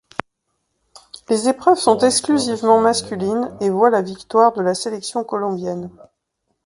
Les épreuves sont exclusivement masculines et voient la victoire de la sélection colombienne.